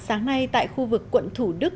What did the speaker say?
sáng nay tại khu vực quận thủ đức